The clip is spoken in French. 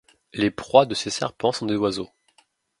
Les proies de ces serpents sont des oiseaux.